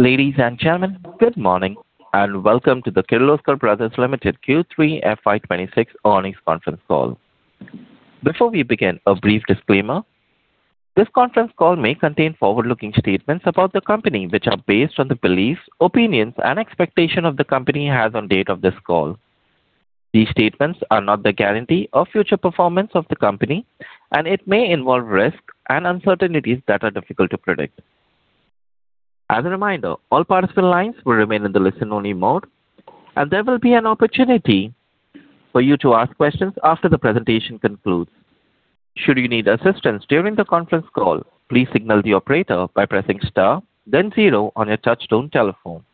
Ladies and gentlemen, good morning and welcome to the Kirloskar Brothers Limited Q3 FY 2026 earnings conference call. Before we begin, a brief disclaimer. This conference call may contain forward-looking statements about the company which are based on the beliefs, opinions, and expectations of the company has on date of this call. These statements are not the guarantee of future performance of the company, and it may involve risks and uncertainties that are difficult to predict. As a reminder, all participant lines will remain in the listen-only mode, and there will be an opportunity for you to ask questions after the presentation concludes. Should you need assistance during the conference call, please signal the operator by pressing star, then zero on your touch-tone telephone.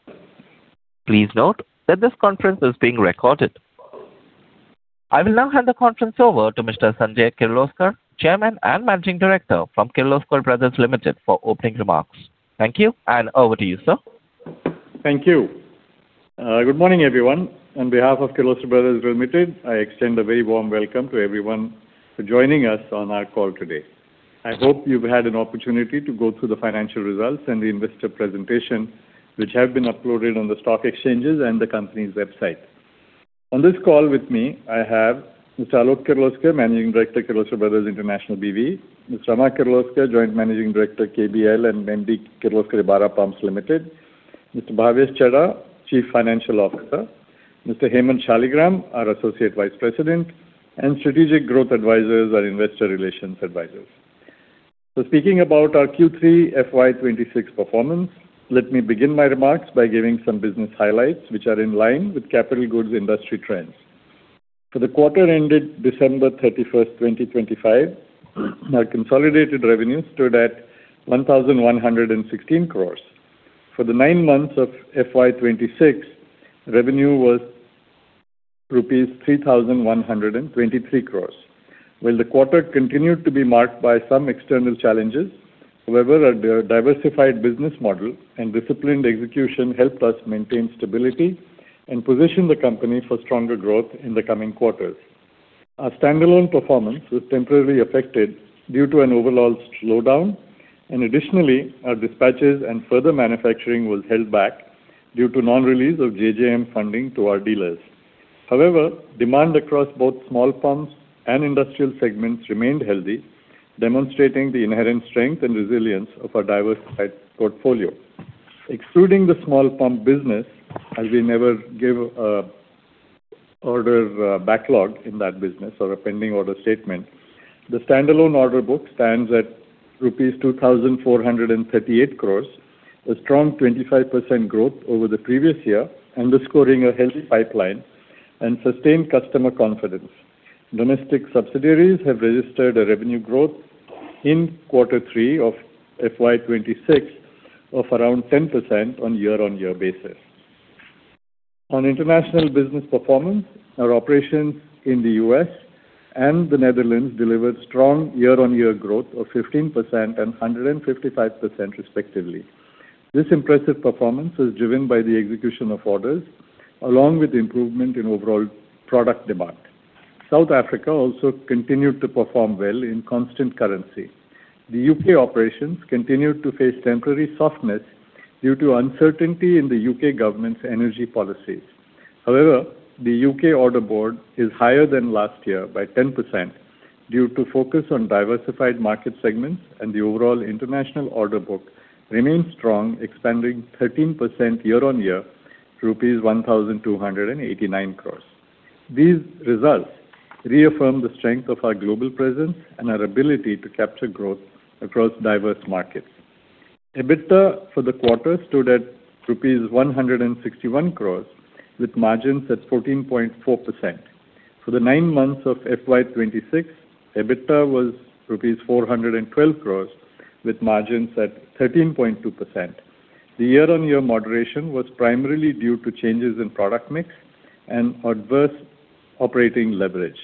Please note that this conference is being recorded. I will now hand the conference over to Mr. Sanjay Kirloskar, Chairman and Managing Director of Kirloskar Brothers Limited, for opening remarks. Thank you, and over to you, sir. Thank you. Good morning, everyone. On behalf of Kirloskar Brothers Limited, I extend a very warm welcome to everyone for joining us on our call today. I hope you've had an opportunity to go through the financial results and the investor presentation which have been uploaded on the stock exchanges and the company's website. On this call with me, I have Mr. Alok Kirloskar, Managing Director of Kirloskar Brothers International B.V.; Mr. Rama Kirloskar, Joint Managing Director of KBL and MD Kirloskar Ebara Pumps Limited; Mr. Bhavesh Chheda, Chief Financial Officer; Mr. Hemant Shaligram, our Associate Vice President; and Strategic Growth Advisors and Investor Relations Advisors. So speaking about our Q3 FY 2026 performance, let me begin my remarks by giving some business highlights which are in line with capital goods industry trends. For the quarter ended December 31st, 2025, our consolidated revenue stood at 1,116 crores. For the nine months of FY 2026, revenue was rupees 3,123 crores. While the quarter continued to be marked by some external challenges, however, a diversified business model and disciplined execution helped us maintain stability and position the company for stronger growth in the coming quarters. Our standalone performance was temporarily affected due to an overall slowdown, and additionally, our dispatches and further manufacturing were held back due to non-release of JJM funding to our dealers. However, demand across both small pumps and industrial segments remained healthy, demonstrating the inherent strength and resilience of our diversified portfolio. Excluding the small pump business, as we never give order backlog in that business or a pending order statement, the standalone order book stands at rupees 2,438 crores, a strong 25% growth over the previous year underscoring a healthy pipeline and sustained customer confidence. Domestic subsidiaries have registered a revenue growth in Q3 of FY 2026 of around 10% on a year-on-year basis. On international business performance, our operations in the U.S. and the Netherlands delivered strong year-on-year growth of 15% and 155%, respectively. This impressive performance was driven by the execution of orders along with improvement in overall product demand. South Africa also continued to perform well in constant currency. The U.K. operations continued to face temporary softness due to uncertainty in the U.K. government's energy policies. However, the U.K. order book is higher than last year by 10% due to focus on diversified market segments, and the overall international order book remains strong, expanding 13% year-on-year to rupees 1,289 crores. These results reaffirm the strength of our global presence and our ability to capture growth across diverse markets. EBITDA for the quarter stood at rupees 161 crores, with margins at 14.4%. For the nine months of FY 2026, EBITDA was rupees 412 crore, with margins at 13.2%. The year-on-year moderation was primarily due to changes in product mix and adverse operating leverage.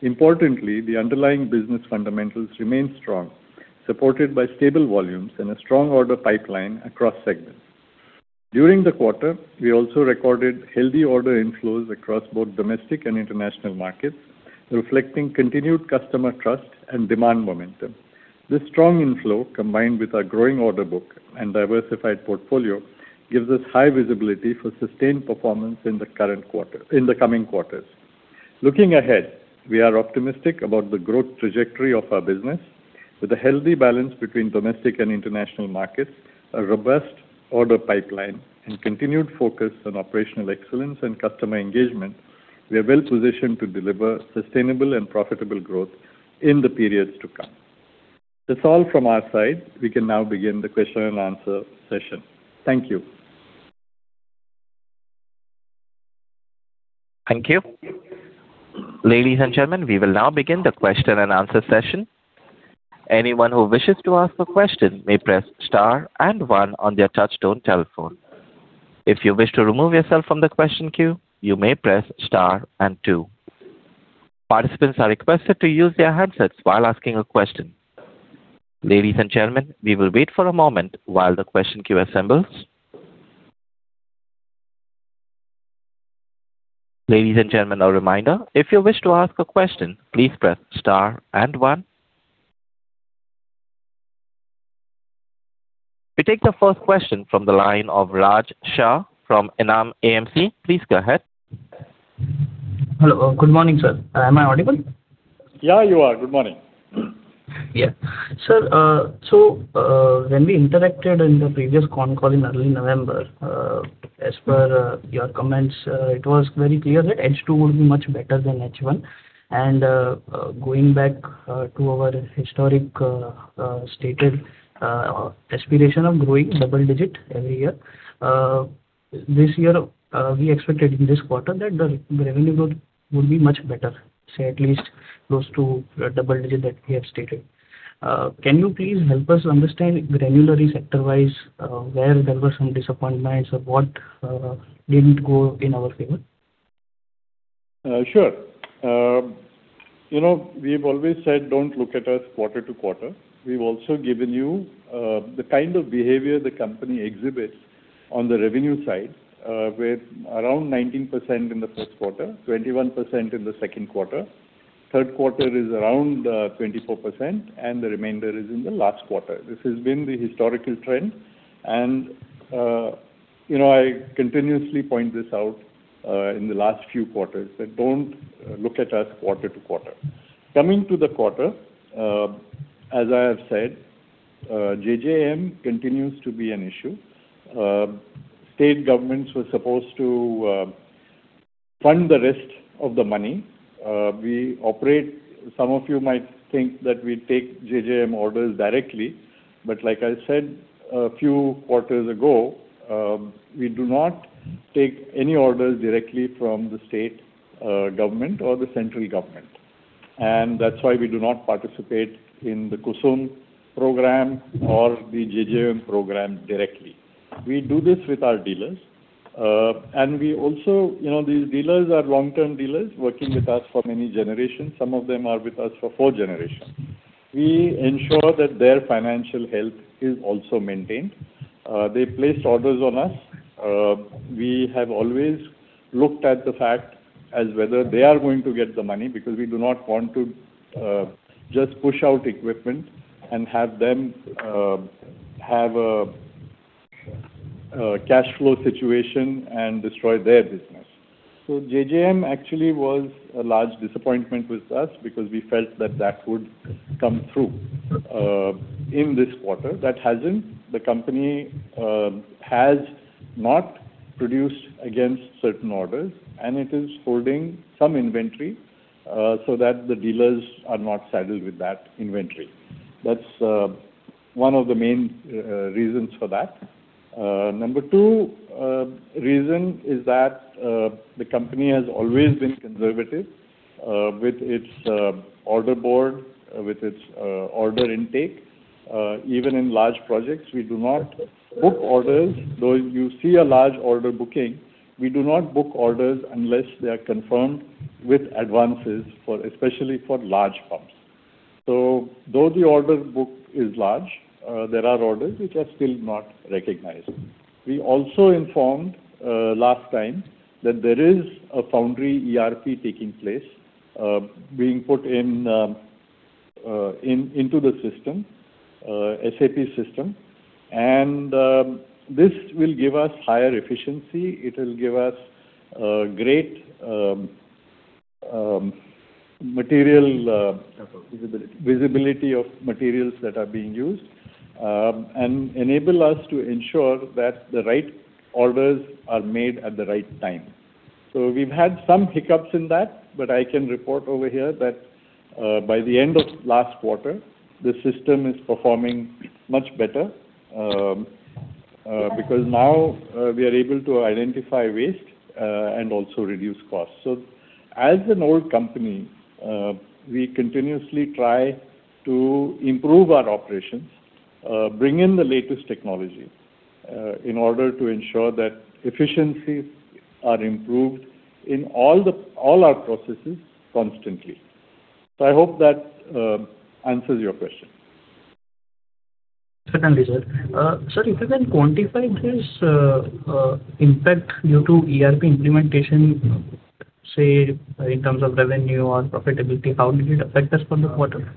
Importantly, the underlying business fundamentals remained strong, supported by stable volumes and a strong order pipeline across segments. During the quarter, we also recorded healthy order inflows across both domestic and international markets, reflecting continued customer trust and demand momentum. This strong inflow, combined with our growing order book and diversified portfolio, gives us high visibility for sustained performance in the coming quarters. Looking ahead, we are optimistic about the growth trajectory of our business. With a healthy balance between domestic and international markets, a robust order pipeline, and continued focus on operational excellence and customer engagement, we are well positioned to deliver sustainable and profitable growth in the periods to come. That's all from our side. We can now begin the question-and-answer session. Thank you. Thank you. Ladies and gentlemen, we will now begin the question-and-answer session. Anyone who wishes to ask a question may press star and one on their touch-tone telephone. If you wish to remove yourself from the question queue, you may press star and two. Participants are requested to use their headsets while asking a question. Ladies and gentlemen, we will wait for a moment while the question queue assembles. Ladies and gentlemen, a reminder. If you wish to ask a question, please press star and one. We take the first question from the line of Raj Shah from Enam AMC. Please go ahead. Hello. Good morning, sir. Am I audible? Yeah, you are. Good morning. Yeah. Sir, so when we interacted in the previous con call in early November, as per your comments, it was very clear that H2 would be much better than H1. Going back to our historic stated aspiration of growing double-digit every year, this year we expected in this quarter that the revenue growth would be much better, say at least close to double-digit that we have stated. Can you please help us understand granularly sector-wise where there were some disappointments or what didn't go in our favor? Sure. We've always said don't look at us quarter-to-quarter. We've also given you the kind of behavior the company exhibits on the revenue side, with around 19% in the first quarter, 21% in the second quarter. Third quarter is around 24%, and the remainder is in the last quarter. This has been the historical trend, and I continuously point this out in the last few quarters that don't look at us quarter-to-quarter. Coming to the quarter, as I have said, JJM continues to be an issue. State governments were supposed to fund the rest of the money. Some of you might think that we take JJM orders directly, but like I said a few quarters ago, we do not take any orders directly from the state government or the central government. That's why we do not participate in the KUSUM program or the JJM program directly. We do this with our dealers, and these dealers are long-term dealers working with us for many generations. Some of them are with us for four generations. We ensure that their financial health is also maintained. They placed orders on us. We have always looked at the fact as whether they are going to get the money because we do not want to just push out equipment and have them have a cash flow situation and destroy their business. So JJM actually was a large disappointment with us because we felt that that would come through in this quarter. That hasn't. The company has not produced against certain orders, and it is holding some inventory so that the dealers are not saddled with that inventory. That's one of the main reasons for that. Number two reason is that the company has always been conservative with its order book, with its order intake. Even in large projects, we do not book orders. Though you see a large order booking, we do not book orders unless they are confirmed with advances, especially for large pumps. So though the order book is large, there are orders which are still not recognized. We also informed last time that there is a foundry ERP taking place, being put into the SAP system, and this will give us higher efficiency. It will give us great visibility of materials that are being used and enable us to ensure that the right orders are made at the right time. So we've had some hiccups in that, but I can report over here that by the end of last quarter, the system is performing much better because now we are able to identify waste and also reduce costs. So as an old company, we continuously try to improve our operations, bring in the latest technology in order to ensure that efficiencies are improved in all our processes constantly. So I hope that answers your question. Certainly, sir. Sir, if you can quantify this impact due to ERP implementation, say in terms of revenue or profitability, how did it affect us for the quarter?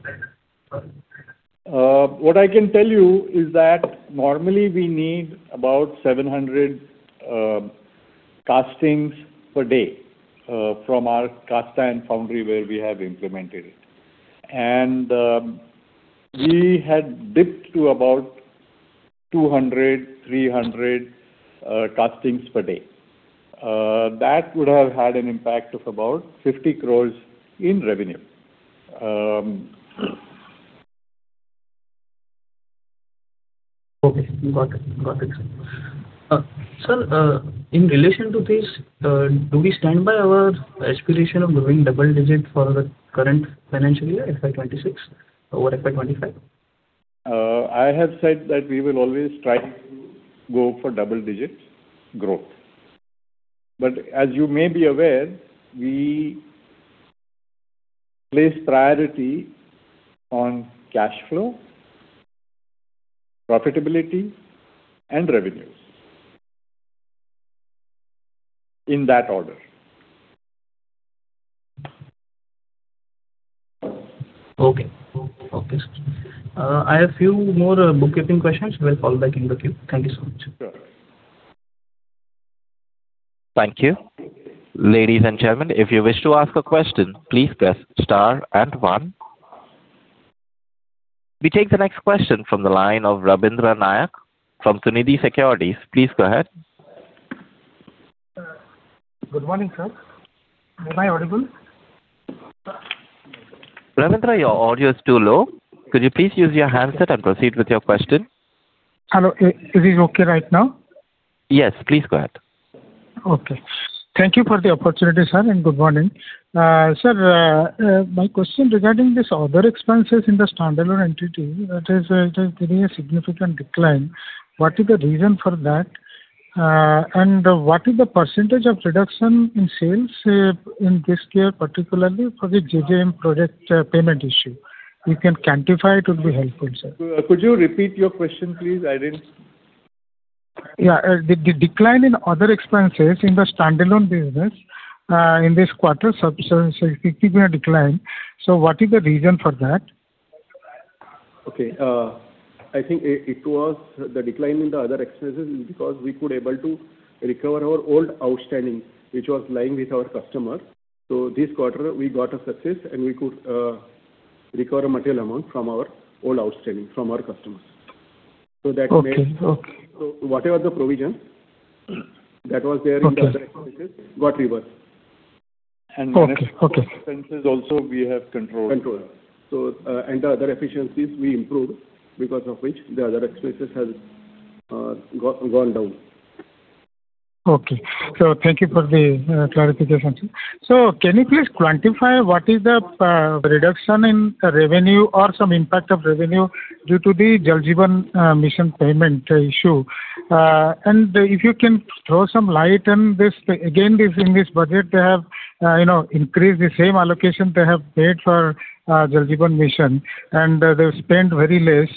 What I can tell you is that normally we need about 700 castings per day from our casting foundry where we have implemented it. We had dipped to about 200, 300 castings per day. That would have had an impact of about 50 crores in revenue. Okay. Got it. Got it. Sir, in relation to this, do we stand by our aspiration of doubling double-digit for the current financial year, FY 2026, or FY 2025? I have said that we will always try to go for double-digit growth. But as you may be aware, we place priority on cash flow, profitability, and revenues in that order. Okay. Okay. I have a few more bookkeeping questions. We'll call back in the queue. Thank you so much. Sure. Thank you. Ladies and gentlemen, if you wish to ask a question, please press star and one. We take the next question from the line of Rabindra Nayak from Sunidhi Securities. Please go ahead. Good morning, sir. Am I audible? Rabindra, your audio is too low. Could you please use your headset and proceed with your question? Hello. Is it okay right now? Yes. Please go ahead. Okay. Thank you for the opportunity, sir, and good morning. Sir, my question regarding these other expenses in the standalone entity, that is, it is giving a significant decline. What is the reason for that? And what is the percentage of reduction in sales in this year, particularly for the JJM project payment issue? If you can quantify it, it would be helpful, sir. Could you repeat your question, please? I didn't. Yeah. The decline in other expenses in the standalone business in this quarter significantly declined. So what is the reason for that? Okay. I think the decline in the other expenses is because we could be able to recover our old outstanding, which was lying with our customers. So this quarter, we got a success, and we could recover a material amount from our old outstanding from our customers. So that means. Okay. Okay. Whatever the provision that was there in the other expenses got reversed. The rest of the expenses also, we have controlled. Controlled. The other efficiencies, we improved because of which the other expenses have gone down. Okay. Thank you for the clarification, sir. Can you please quantify what is the reduction in revenue or some impact of revenue due to the Jal Jeevan Mission payment issue? And if you can throw some light on this. Again, in this budget, they have increased the same allocation they have paid for Jal Jeevan Mission, and they've spent very less.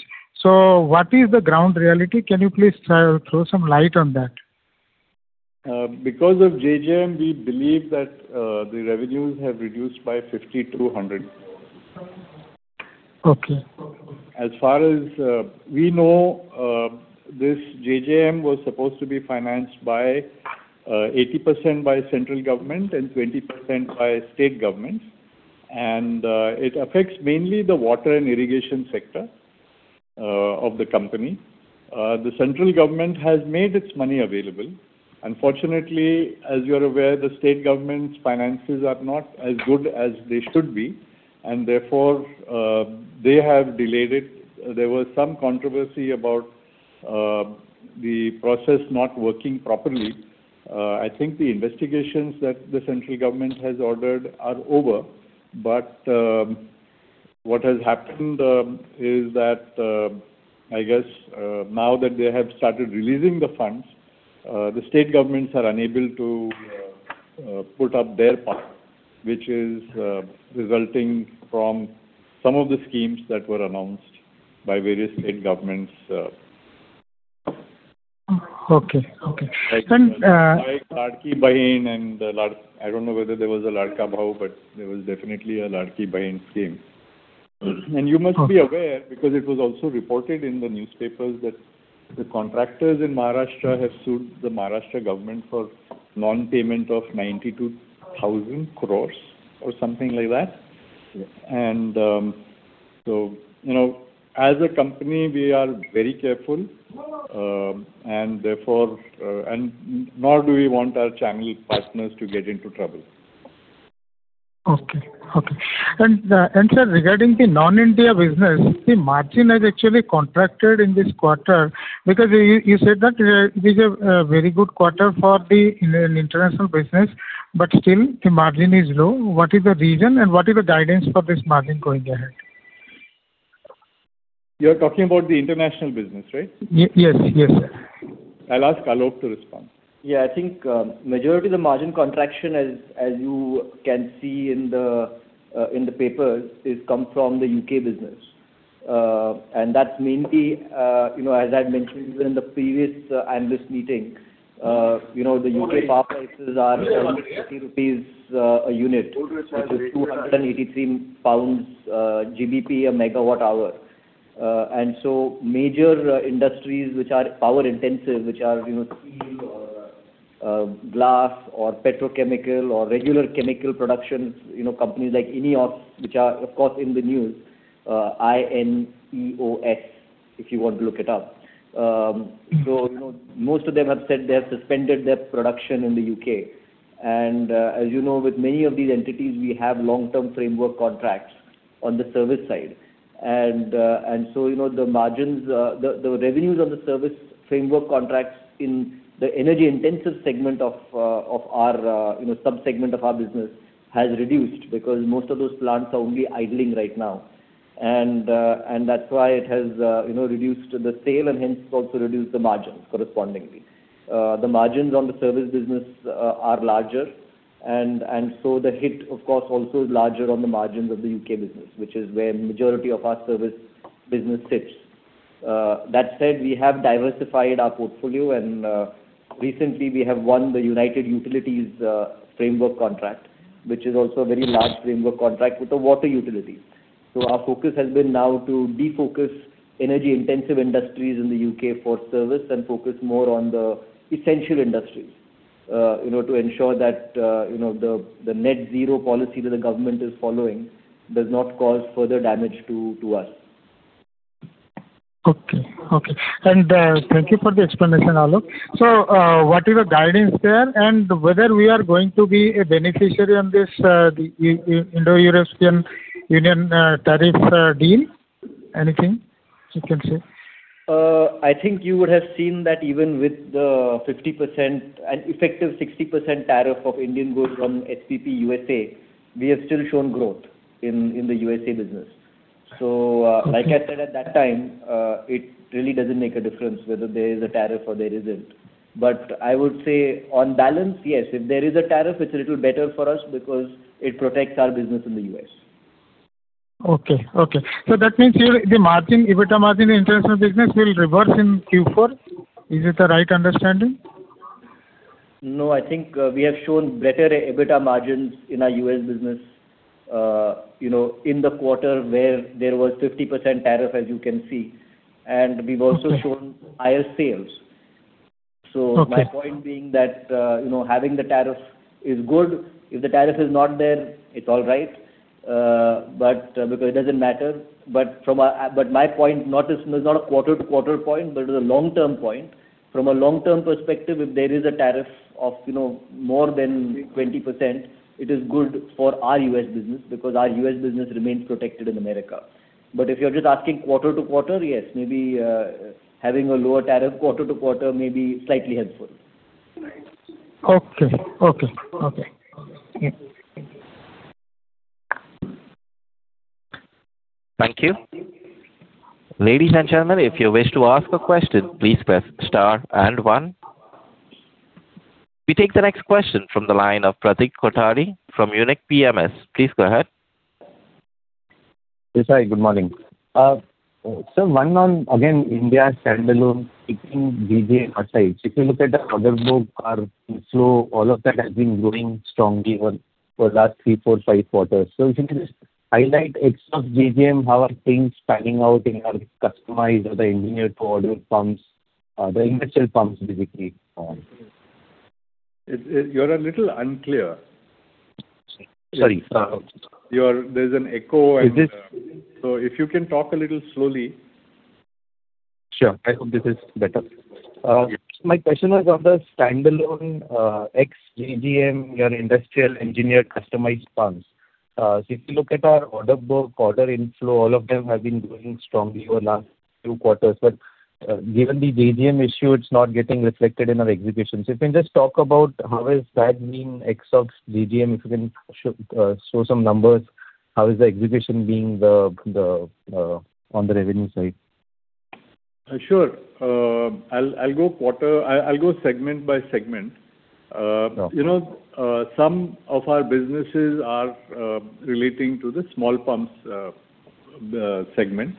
What is the ground reality? Can you please throw some light on that? Because of JJM, we believe that the revenues have reduced by 5,200. Okay. As far as we know, this JJM was supposed to be financed 80% by central government and 20% by state governments. It affects mainly the water and irrigation sector of the company. The central government has made its money available. Unfortunately, as you're aware, the state government's finances are not as good as they should be, and therefore, they have delayed it. There was some controversy about the process not working properly. I think the investigations that the central government has ordered are over. What has happened is that, I guess, now that they have started releasing the funds, the state governments are unable to put up their part, which is resulting from some of the schemes that were announced by various state governments. Okay. Okay. By Ladki Bahin, and I don't know whether there was a Ladka Bhau, but there was definitely a Ladki Bahin scheme. And you must be aware because it was also reported in the newspapers that the contractors in Maharashtra have sued the Maharashtra government for non-payment of 92,000 crore or something like that. And so as a company, we are very careful, and nor do we want our channel partners to get into trouble. Okay. Okay. And sir, regarding the non-India business, the margin is actually contracted in this quarter because you said that it is a very good quarter for the international business, but still, the margin is low. What is the reason, and what is the guidance for this margin going ahead? You're talking about the international business, right? Yes. Yes, sir. I'll ask Alok to respond. Yeah. I think majority of the margin contraction, as you can see in the papers, comes from the U.K. business. That's mainly, as I've mentioned even in the previous analyst meeting, the U.K. power prices are 750 rupees a unit, which is 283 pounds a MWh. So major industries which are power-intensive, which are steel or glass or petrochemical or regular chemical production, companies like INEOS, which are, of course, in the news, I-N-E-O-S if you want to look it up. Most of them have said they have suspended their production in the U.K. As you know, with many of these entities, we have long-term framework contracts on the service side. So the revenues on the service framework contracts in the energy-intensive segment of our subsegment of our business have reduced because most of those plants are only idling right now. And that's why it has reduced the sale and hence also reduced the margins correspondingly. The margins on the service business are larger. And so the hit, of course, also is larger on the margins of the U.K. business, which is where majority of our service business sits. That said, we have diversified our portfolio, and recently, we have won the United Utilities framework contract, which is also a very large framework contract with the water utilities. So our focus has been now to defocus energy-intensive industries in the U.K. for service and focus more on the essential industries to ensure that the Net-Zero policy that the government is following does not cause further damage to us. Okay. Okay. And thank you for the explanation, Alok. So what is the guidance there and whether we are going to be a beneficiary on this Indo-European Union tariff deal? Anything you can say? I think you would have seen that even with the effective 60% tariff of Indian goods from SPP U.S.A, we have still shown growth in the U.S.A business. So like I said at that time, it really doesn't make a difference whether there is a tariff or there isn't. But I would say, on balance, yes. If there is a tariff, it's a little better for us because it protects our business in the U.S. Okay. Okay. So that means the EBITDA margin in international business will reverse in Q4. Is it the right understanding? No. I think we have shown better EBITDA margins in our U.S. business in the quarter where there was 50% tariff, as you can see. And we've also shown higher sales. So my point being that having the tariff is good. If the tariff is not there, it's all right because it doesn't matter. But my point, not a quarter-to-quarter point, but it is a long-term point. From a long-term perspective, if there is a tariff of more than 20%, it is good for our U.S. business because our U.S. business remains protected in America. But if you're just asking quarter-to-quarter, yes, maybe having a lower tariff quarter-to-quarter may be slightly helpful. Okay. Okay. Okay. Thank you. Ladies and gentlemen, if you wish to ask a question, please press star and one. We take the next question from the line of Pratik Kothari from Unique PMS. Please go ahead. Yes, hi. Good morning. Sir, again, India standalone taking JJM outside. If you look at the other book, all of that has been growing strongly over the last 3, 4, 5 quarters. So if you can just highlight, except JJM, how are things panning out in our customized or the engineered-to-order pumps, the industrial pumps basically? You're a little unclear. Sorry. There's an echo, and so if you can talk a little slowly. Sure. I hope this is better. My question is on the standalone ex-JJM, your industrial engineered customized pumps. So if you look at our order book, order inflow, all of them have been growing strongly over the last few quarters. But given the JJM issue, it's not getting reflected in our executions. If you can just talk about how has that been, except JJM, if you can show some numbers, how is the execution being on the revenue side? Sure. I'll go segment by segment. Some of our businesses are relating to the small pumps segment.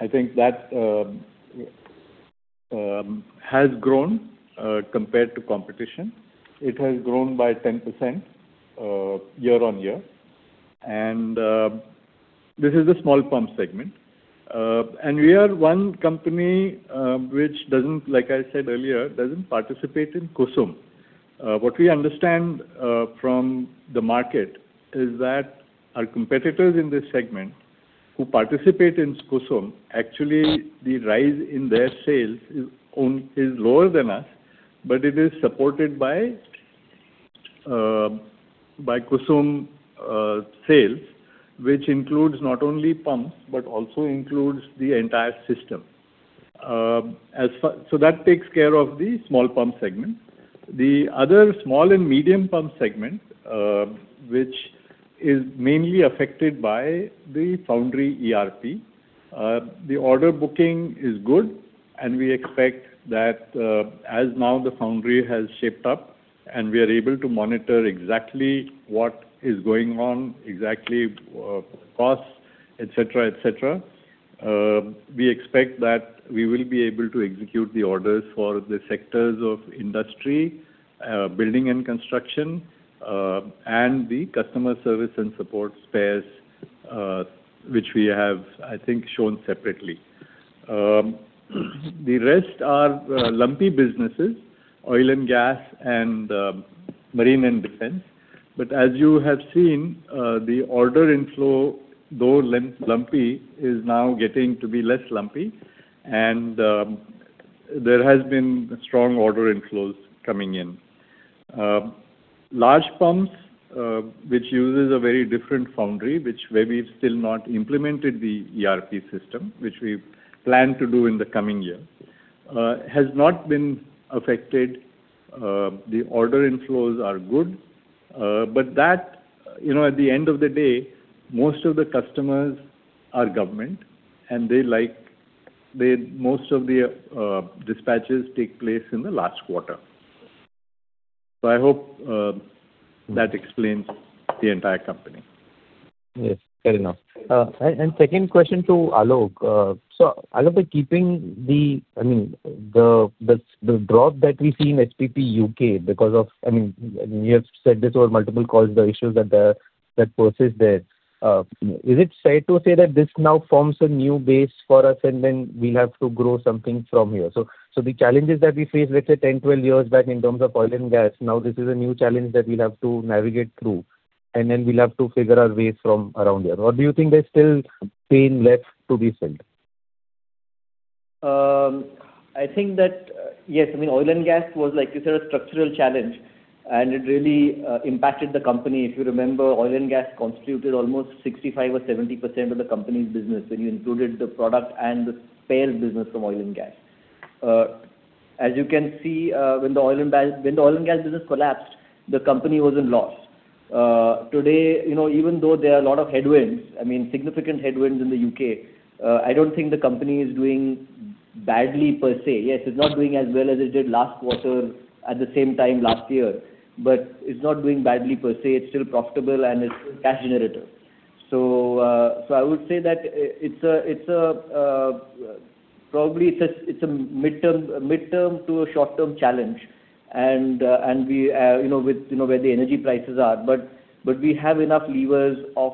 I think that has grown compared to competition. It has grown by 10% year-on-year. And this is the small pump segment. And we are one company which, like I said earlier, doesn't participate in KUSUM. What we understand from the market is that our competitors in this segment who participate in KUSUM, actually, the rise in their sales is lower than us, but it is supported by KUSUM sales, which includes not only pumps but also includes the entire system. So that takes care of the small pump segment. The other small and medium pump segment, which is mainly affected by the foundry ERP, the order booking is good, and we expect that as now the foundry has shaped up and we are able to monitor exactly what is going on, exactly costs, etc., we expect that we will be able to execute the orders for the sectors of industry, building and construction, and the customer service and support spares, which we have, I think, shown separately. The rest are lumpy businesses, oil and gas and marine and defense. But as you have seen, the order inflow, though lumpy, is now getting to be less lumpy, and there has been strong order inflows coming in. Large pumps, which uses a very different foundry, where we've still not implemented the ERP system, which we plan to do in the coming year, has not been affected. The order inflows are good. At the end of the day, most of the customers are government, and most of the dispatches take place in the last quarter. I hope that explains the entire company. Yes. Fair enough. And second question to Alok. So Alok, by keeping the I mean, the drop that we see in SPP U.K. because of I mean, you have said this over multiple calls, the issues that persist there. Is it safe to say that this now forms a new base for us, and then we'll have to grow something from here? So the challenges that we face, let's say, 10, 12 years back in terms of oil and gas, now this is a new challenge that we'll have to navigate through, and then we'll have to figure our way from around here. Or do you think there's still pain left to be filled? I think that, yes. I mean, oil and gas was, like you said, a structural challenge, and it really impacted the company. If you remember, oil and gas constituted almost 65% or 70% of the company's business when you included the product and the sales business from oil and gas. As you can see, when the oil and gas business collapsed, the company was in loss. Today, even though there are a lot of headwinds, I mean, significant headwinds in the U.K., I don't think the company is doing badly per se. Yes, it's not doing as well as it did last quarter at the same time last year, but it's not doing badly per se. It's still profitable, and it's cash-generative. So I would say that it's probably a mid-term to a short-term challenge and with where the energy prices are. But we have enough levers of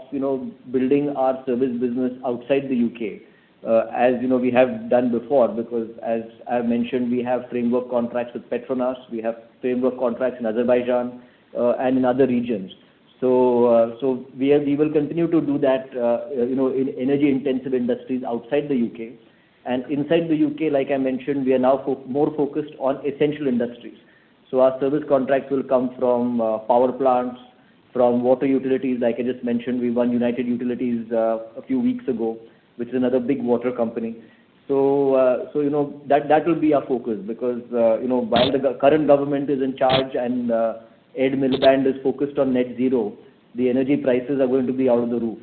building our service business outside the U.K. as we have done before because, as I mentioned, we have framework contracts with Petronas. We have framework contracts in Azerbaijan and in other regions. So we will continue to do that in energy-intensive industries outside the U.K. And inside the U.K., like I mentioned, we are now more focused on essential industries. So our service contracts will come from power plants, from water utilities. Like I just mentioned, we won United Utilities a few weeks ago, which is another big water company. So that will be our focus because while the current government is in charge and Ed Miliband is focused on Net-Zero, the energy prices are going to be out of the roof.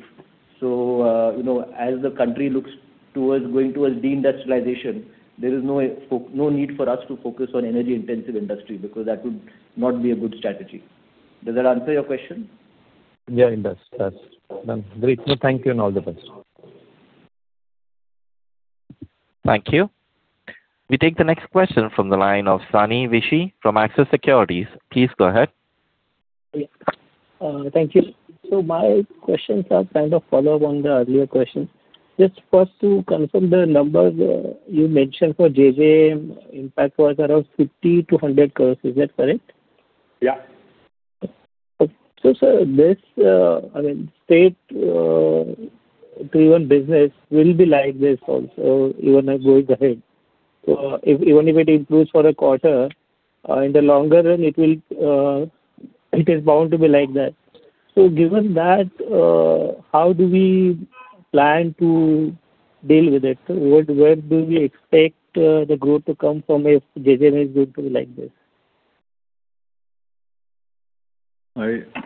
So as the country looks towards going towards de-industrialization, there is no need for us to focus on energy-intensive industry because that would not be a good strategy. Does that answer your question? Yeah. Yes. Yes. Great. Thank you, and all the best. Thank you. We take the next question from the line of Sani Vishe from Axis Securities. Please go ahead. Thank you. My questions are kind of follow-up on the earlier questions. Just first to confirm the numbers you mentioned for JJM, impact was around 50 crore-100 crore. Is that correct? Yeah. Okay. So, sir, I mean, state-driven business will be like this also even going ahead. So even if it improves for a quarter, in the longer run, it is bound to be like that. So given that, how do we plan to deal with it? Where do we expect the growth to come from if JJM is going to be like this?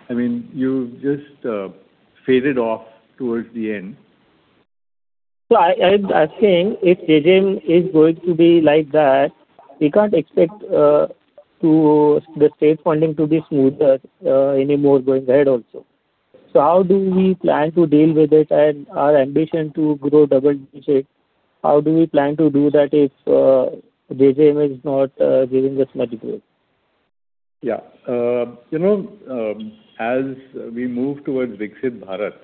I mean, you just faded off towards the end. I'm asking, if JJM is going to be like that, we can't expect the state funding to be smoother anymore going ahead also. How do we plan to deal with it and our ambition to grow double-digit? How do we plan to do that if JJM is not giving us much growth? Yeah. As we move towards Viksit Bharat,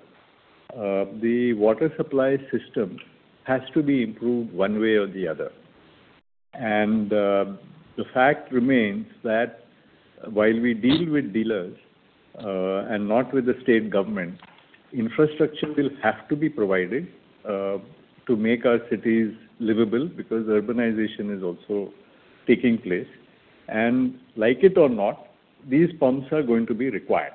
the water supply system has to be improved one way or the other. The fact remains that while we deal with dealers and not with the state government, infrastructure will have to be provided to make our cities livable because urbanization is also taking place. Like it or not, these pumps are going to be required.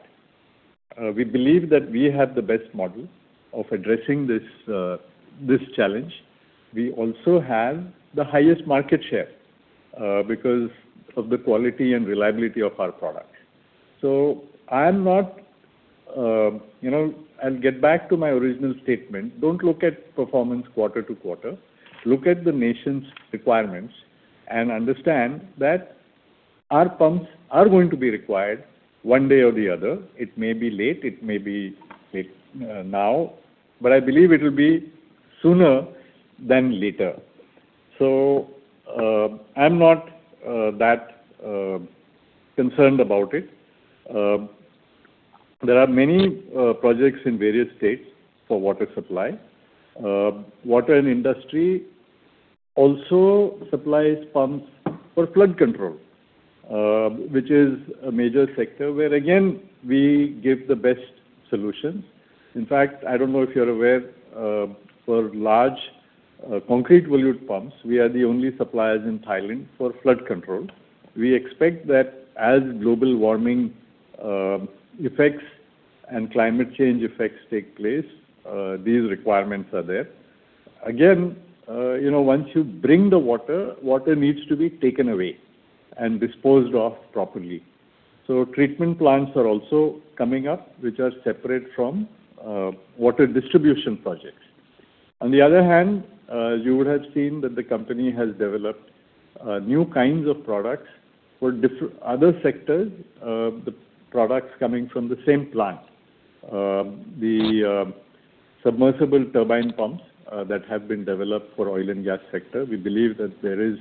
We believe that we have the best model of addressing this challenge. We also have the highest market share because of the quality and reliability of our products. So, I'm not. I'll get back to my original statement. Don't look at performance quarter-to-quarter. Look at the nation's requirements and understand that our pumps are going to be required one day or the other. It may be late. It may be now. But I believe it will be sooner than later. So I'm not that concerned about it. There are many projects in various states for water supply. Water and industry also supplies pumps for flood control, which is a major sector where, again, we give the best solutions. In fact, I don't know if you're aware, for large Concrete-Volute Pumps, we are the only suppliers in Thailand for flood control. We expect that as global warming effects and climate change effects take place, these requirements are there. Again, once you bring the water, water needs to be taken away and disposed of properly. So treatment plants are also coming up, which are separate from water distribution projects. On the other hand, you would have seen that the company has developed new kinds of products for other sectors, the products coming from the same plant, the Submersible Turbine Pumps that have been developed for oil and gas sector. We believe that there is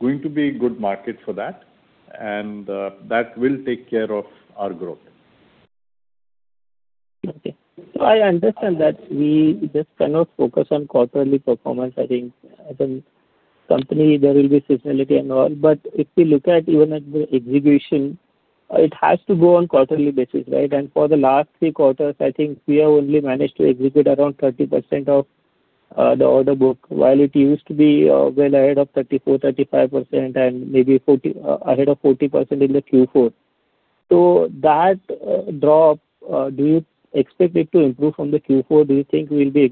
going to be a good market for that, and that will take care of our growth. Okay. So I understand that we just cannot focus on quarterly performance. I think as a company, there will be seasonality and all. But if we look even at the execution, it has to go on quarterly basis, right? And for the last three quarters, I think we have only managed to execute around 30% of the order book while it used to be well ahead of 34%-35%, and maybe ahead of 40% in the Q4. So that drop, do you expect it to improve from the Q4? Do you think we'll be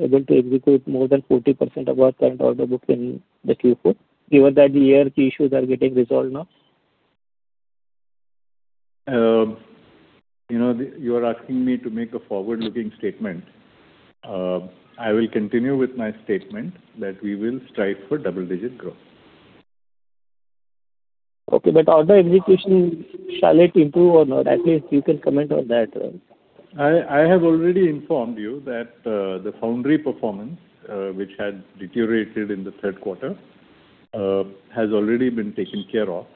able to execute more than 40% of our current order book in the Q4 given that the ERP issues are getting resolved now? You are asking me to make a forward-looking statement. I will continue with my statement that we will strive for double-digit growth. Okay. But order execution shall it improve or not? At least you can comment on that. I have already informed you that the foundry performance, which had deteriorated in the third quarter, has already been taken care of.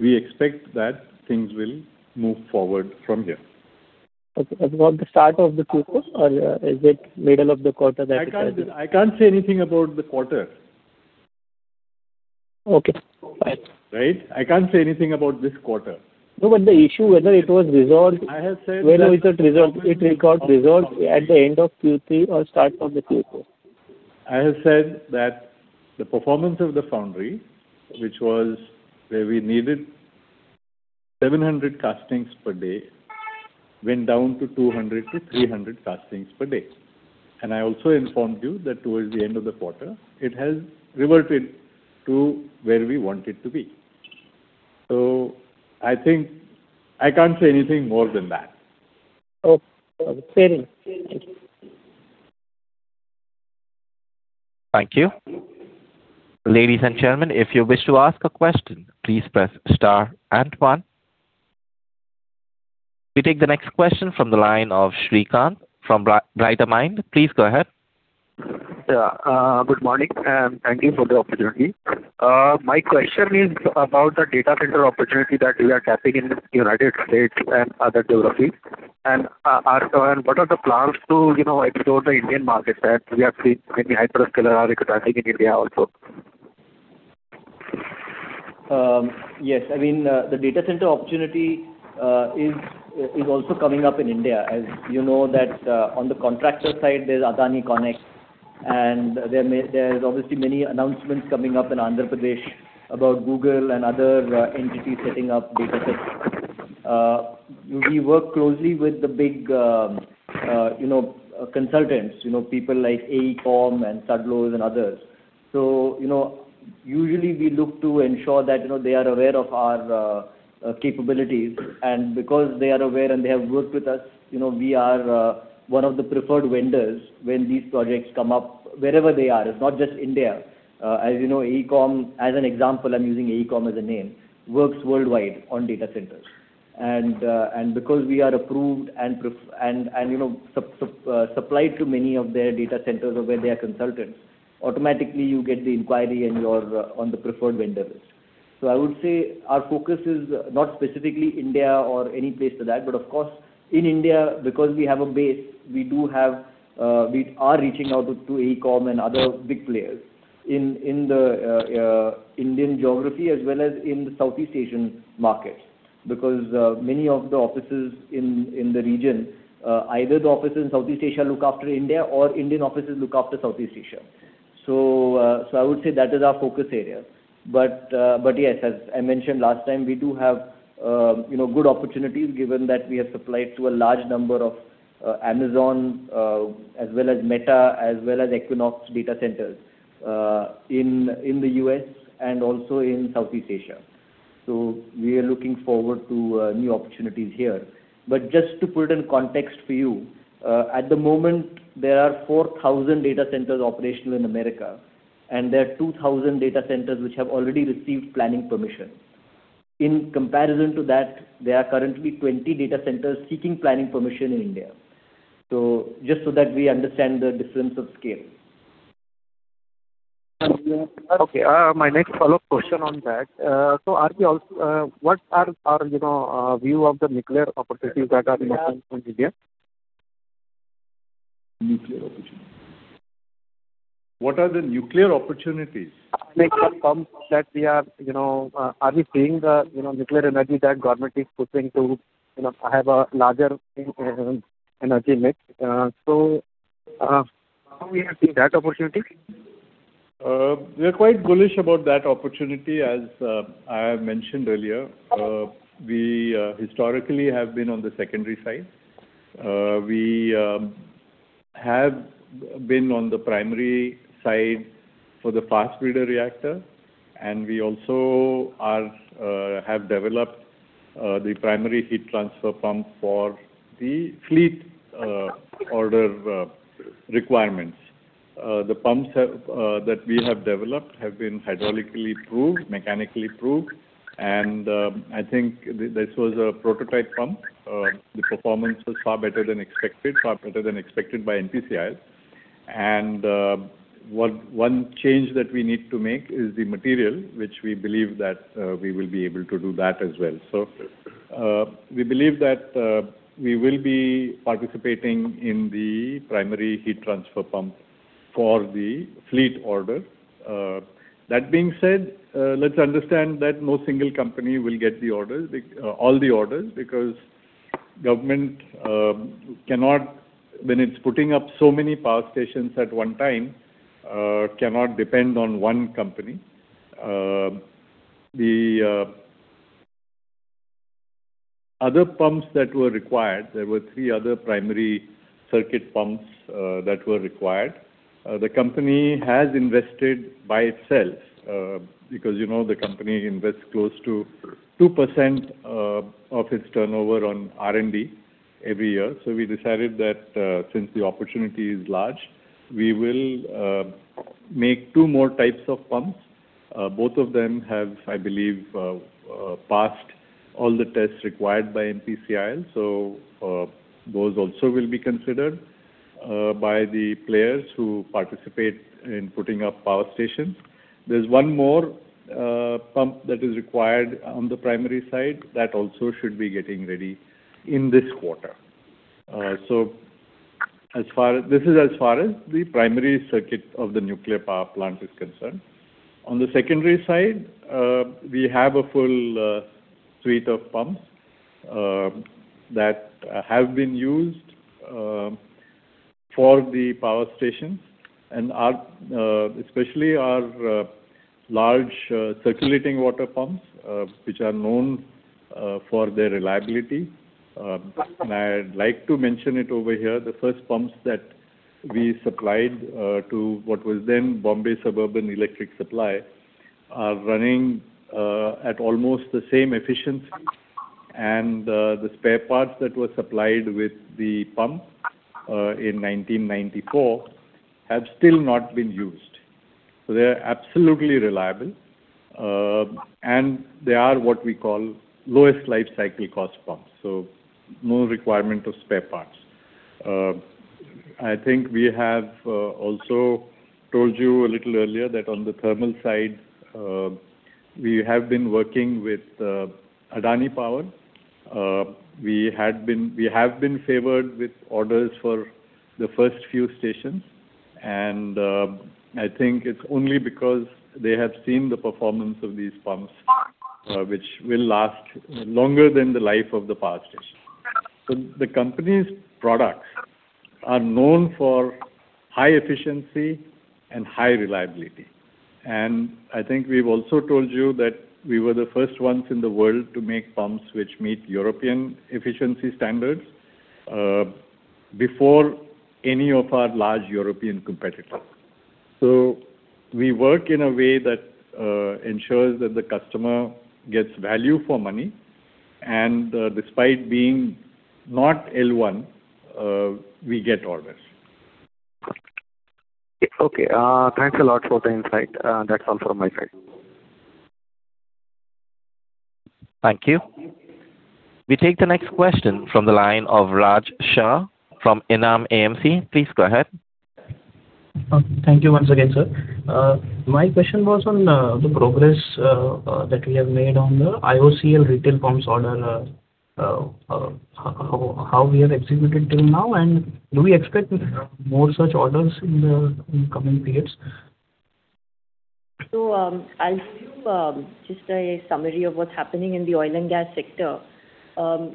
We expect that things will move forward from here. Okay. About the start of the Q4, or is it middle of the quarter that it has been? I can't say anything about the quarter. Okay. Fine. Right? I can't say anything about this quarter. No, but the issue, whether it was resolved? I have said that. When was it resolved? It got resolved at the end of Q3 or start of the Q4? I have said that the performance of the foundry, which was where we needed 700 castings per day, went down to 200-300 castings per day. I also informed you that towards the end of the quarter, it has reverted to where we want it to be. I can't say anything more than that. Okay. Fair enough. Thank you. Thank you. Ladies and gentlemen, if you wish to ask a question, please press star and one. We take the next question from the line of Srikant from Bright Minds. Please go ahead. Yeah. Good morning. Thank you for the opportunity. My question is about the data center opportunity that we are tapping in the United States and other geographies. What are the plans to explore the Indian markets that we are seeing? Maybe hyperscaler are recruiting in India also. Yes. I mean, the data center opportunity is also coming up in India. As you know, on the contractor side, there's AdaniConneX. And there are obviously many announcements coming up in Andhra Pradesh about Google and other entities setting up data centers. We work closely with the big consultants, people like AECOM and Sudlows and others. So usually, we look to ensure that they are aware of our capabilities. And because they are aware and they have worked with us, we are one of the preferred vendors when these projects come up wherever they are. It's not just India. As you know, AECOM, as an example, I'm using AECOM as a name, works worldwide on data centers. And because we are approved and supplied to many of their data centers or where they are consultants, automatically, you get the inquiry and you're on the preferred vendor list. So I would say our focus is not specifically India or any place to that. But of course, in India, because we have a base, we are reaching out to AECOM and other big players in the Indian geography as well as in the Southeast Asian markets because many of the offices in the region, either the offices in Southeast Asia look after India or Indian offices look after Southeast Asia. So I would say that is our focus area. But yes, as I mentioned last time, we do have good opportunities given that we have supplied to a large number of Amazon as well as Meta as well as Equinix data centers in the U.S. and also in Southeast Asia. So we are looking forward to new opportunities here. Just to put it in context for you, at the moment, there are 4,000 data centers operational in America, and there are 2,000 data centers which have already received planning permission. In comparison to that, there are currently 20 data centers seeking planning permission in India. Just so that we understand the difference of scale. Okay. My next follow-up question on that. What are our view of the nuclear opportunities that are emerging in India? Nuclear opportunities. What are the nuclear opportunities? Mix of pumps that we are seeing the nuclear energy that government is pushing to have a larger energy mix? So how do we have seen that opportunity? We are quite bullish about that opportunity. As I have mentioned earlier, we historically have been on the secondary side. We have been on the primary side for the fast breeder reactor. We also have developed the Primary Heat Transport Pump for the fleet order requirements. The pumps that we have developed have been hydraulically approved, mechanically approved. I think this was a prototype pump. The performance was far better than expected, far better than expected by NPCIL. One change that we need to make is the material, which we believe that we will be able to do that as well. We believe that we will be participating in the Primary Heat Transport Pump for the fleet order. That being said, let's understand that no single company will get all the orders because the government cannot, when it's putting up so many power stations at one time, cannot depend on one company. The other pumps that were required, there were three other primary circuit pumps that were required. The company has invested by itself because the company invests close to 2% of its turnover on R&D every year. So we decided that since the opportunity is large, we will make two more types of pumps. Both of them have, I believe, passed all the tests required by NPCIL. So those also will be considered by the players who participate in putting up power stations. There's one more pump that is required on the primary side that also should be getting ready in this quarter. So this is as far as the primary circuit of the nuclear power plant is concerned. On the secondary side, we have a full suite of pumps that have been used for the power stations, especially our large circulating water pumps, which are known for their reliability. And I'd like to mention it over here. The first pumps that we supplied to what was then Bombay Suburban Electric Supply are running at almost the same efficiency. And the spare parts that were supplied with the pump in 1994 have still not been used. So they are absolutely reliable. And they are what we call lowest lifecycle cost pumps, so no requirement of spare parts. I think we have also told you a little earlier that on the thermal side, we have been working with Adani Power. We have been favored with orders for the first few stations. I think it's only because they have seen the performance of these pumps, which will last longer than the life of the power station. So the company's products are known for high efficiency and high reliability. And I think we've also told you that we were the first ones in the world to make pumps which meet European efficiency standards before any of our large European competitors. So we work in a way that ensures that the customer gets value for money. And despite being not L1, we get all this. Okay. Thanks a lot for the insight. That's all from my side. Thank you. We take the next question from the line of Raj Shah from Enam AMC. Please go ahead. Thank you once again, sir. My question was on the progress that we have made on the IOCL retail pumps order, how we have executed till now, and do we expect more such orders in the coming periods? So I'll give you just a summary of what's happening in the oil and gas sector.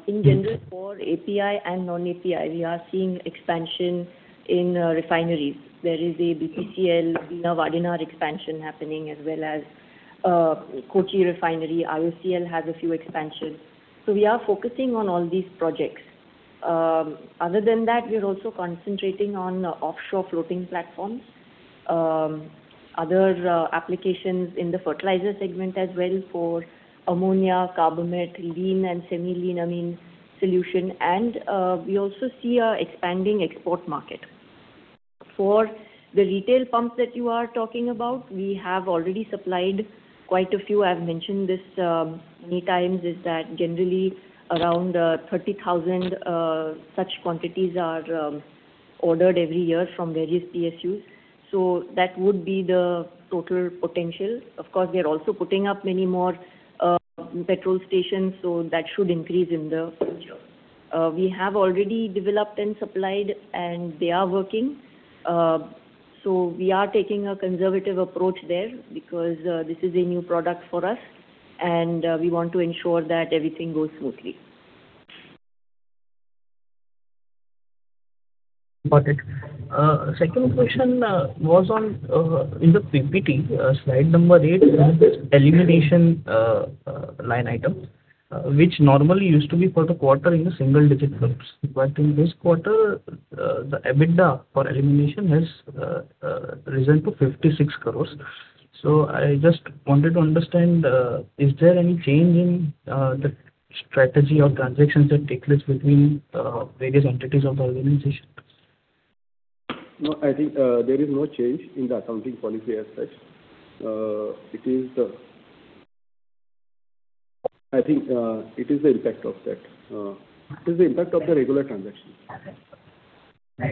In general, for API and non-API, we are seeing expansion in refineries. There is a BPCL, Bina Vadinar expansion happening as well as Kochi Refinery. IOCL has a few expansions. So we are focusing on all these projects. Other than that, we're also concentrating on offshore floating platforms, other applications in the fertilizer segment as well for ammonia, carbamide, lean, and semi-lean amine solution. And we also see an expanding export market. For the retail pumps that you are talking about, we have already supplied quite a few. I've mentioned this many times, is that generally, around 30,000 such quantities are ordered every year from various PSUs. So that would be the total potential. Of course, we are also putting up many more petrol stations, so that should increase in the future. We have already developed and supplied, and they are working. So we are taking a conservative approach there because this is a new product for us. And we want to ensure that everything goes smoothly. Got it. Second question was in the PPT, slide number 8, elimination line item, which normally used to be for the quarter in the single-digit groups. But in this quarter, the EBITDA for elimination has risen to 56 crore. So I just wanted to understand, is there any change in the strategy or transactions that take place between various entities of the organization? No, I think there is no change in the accounting policy as such. I think it is the impact of that. It is the impact of the regular transactions. I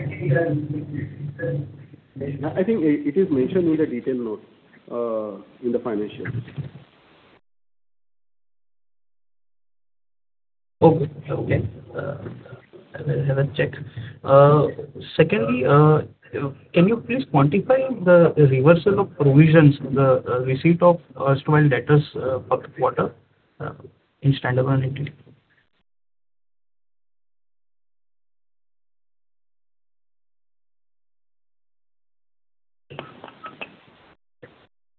think it is mentioned in the detail note in the financials. Okay. Okay. I will have a check. Secondly, can you please quantify the reversal of provisions, the receipt of erstwhile debtors per quarter in Standard One India?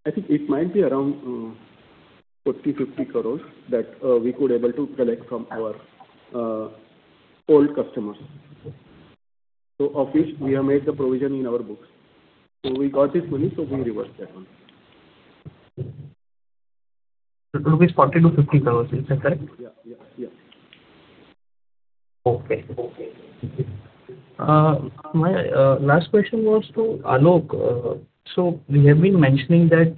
I think it might be around 40 crore-50 crore that we could be able to collect from our old customers, of which we have made the provision in our books. We got this money, so we reversed that one. It will be 40 crore-50 crore. Is that correct? Yeah. Yeah. Yeah. Okay. Last question was to Alok. So we have been mentioning that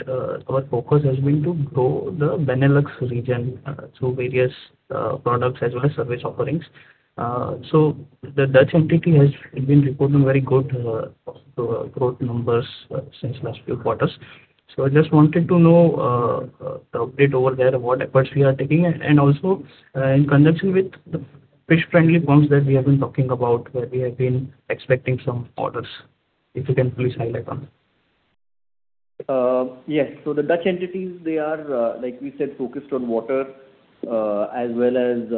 our focus has been to grow the Benelux region through various products as well as service offerings. So the Dutch entity has been reporting very good growth numbers since last few quarters. So I just wanted to know the update over there, what efforts we are taking, and also in conjunction with the Fish-Friendly Pumps that we have been talking about where we have been expecting some orders, if you can please highlight on that. Yes. So the Dutch entities, they are, like we said, focused on water as well as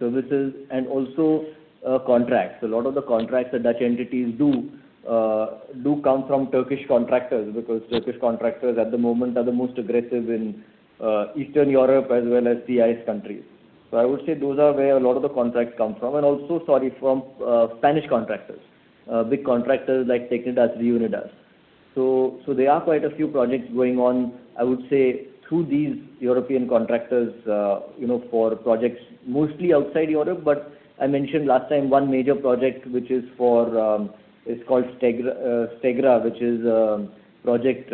services and also contracts. A lot of the contracts the Dutch entities do come from Turkish contractors because Turkish contractors at the moment are the most aggressive in Eastern Europe as well as the CIS countries. So I would say those are where a lot of the contracts come from. And also, sorry, from Spanish contractors, big contractors like Técnicas Reunidas. So there are quite a few projects going on, I would say, through these European contractors for projects mostly outside Europe. But I mentioned last time one major project, which is called Stegra, which is a project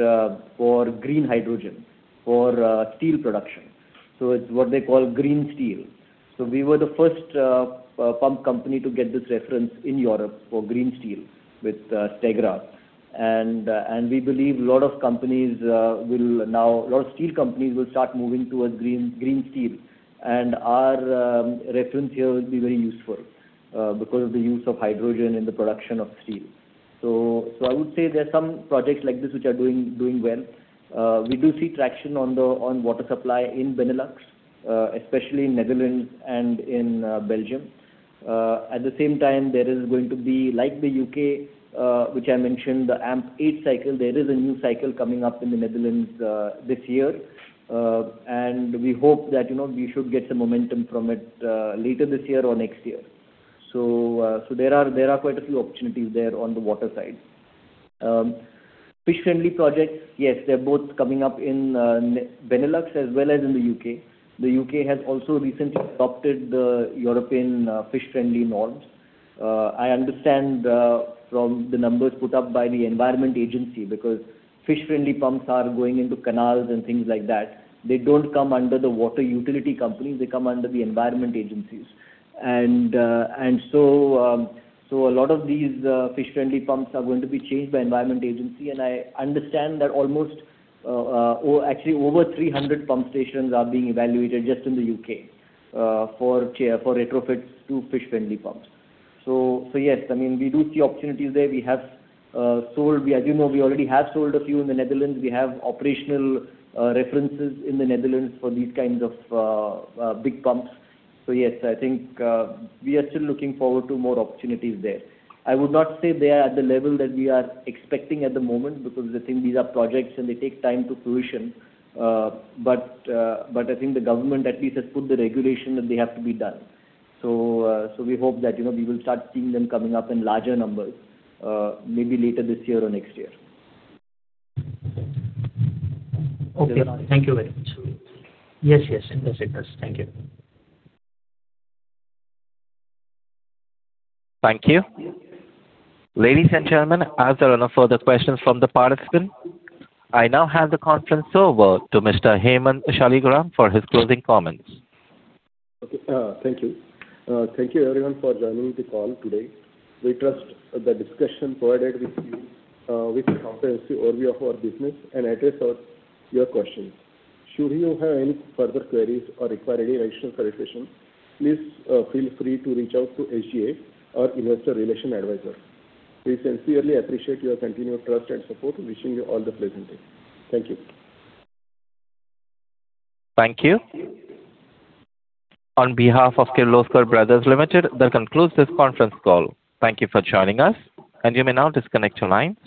for green hydrogen for steel production. So it's what they call green steel. So we were the first pump company to get this reference in Europe for green steel with Stegra. We believe a lot of steel companies will start moving towards green steel. Our reference here will be very useful because of the use of hydrogen in the production of steel. I would say there are some projects like this which are doing well. We do see traction on water supply in Benelux, especially in Netherlands and in Belgium. At the same time, there is going to be like the U.K., which I mentioned, the AMP 8 cycle, there is a new cycle coming up in the Netherlands this year. We hope that we should get some momentum from it later this year or next year. There are quite a few opportunities there on the water side. Fish-friendly projects, yes, they're both coming up in Benelux as well as in the U.K. The U.K. has also recently adopted the European fish-friendly norms. I understand from the numbers put up by the Environment Agency because fish-friendly pumps are going into canals and things like that. They don't come under the water utility companies. They come under the Environment Agencies. And so a lot of these fish-friendly pumps are going to be changed by Environment Agency. And I understand that almost actually, over 300 pump stations are being evaluated just in the U.K. for retrofits to fish-friendly pumps. So yes, I mean, we do see opportunities there. As you know, we already have sold a few in the Netherlands. We have operational references in the Netherlands for these kinds of big pumps. So yes, I think we are still looking forward to more opportunities there. I would not say they are at the level that we are expecting at the moment because I think these are projects, and they take time to fruition. But I think the government at least has put the regulation that they have to be done. So we hope that we will start seeing them coming up in larger numbers, maybe later this year or next year. Okay. Thank you very much. Yes, yes. It does. It does. Thank you. Thank you. Ladies and gentlemen, are there any further questions from the participants? I now hand the conference over to Mr. Hemant Shaligram for his closing comments. Okay. Thank you. Thank you, everyone, for joining the call today. We trust the discussion provided with you will be comprehensive overview of our business and address your questions. Should you have any further queries or require any additional clarification, please feel free to reach out to SGA, our investor relations advisor. We sincerely appreciate your continued trust and support. Wishing you all the pleasant things. Thank you. Thank you. On behalf of Kirloskar Brothers Limited, that concludes this conference call. Thank you for joining us. You may now disconnect your line.